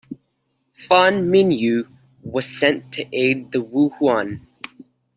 Fan Minyu was sent to aid the Wuhuan.